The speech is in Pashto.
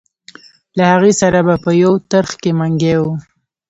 له هغې سره به په یو ترخ کې منګی و.